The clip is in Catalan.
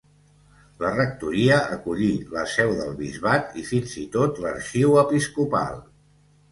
La rectoria acollí la seu del bisbat i fins i tot l'arxiu episcopal.